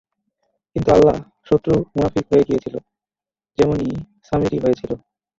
কিন্তু আল্লাহ শত্রু মুনাফিক হয়ে গিয়েছিল, যেমনি সামিরী হয়েছিল।